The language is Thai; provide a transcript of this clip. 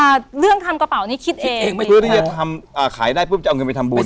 อ่าเรื่องทำกระเป๋านี้คิดเองเองไม่เพื่อที่จะทำอ่าขายได้ปุ๊บจะเอาเงินไปทำบุญ